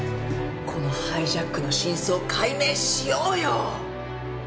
このハイジャックの真相解明しようよ！